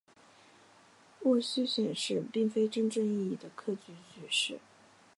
戊戌选试并非真正意义的科举取士。